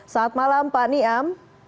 saat malam pak niam